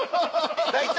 大体。